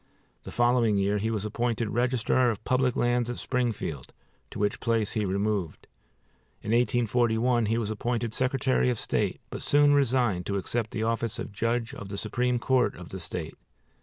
The following year he was appointed Register of Public Lands at Springfield, to which place he removed. In 1841 he was appointed Secretary of State; but soon resigned, to accept the office of Judge of the Supreme Court of the State.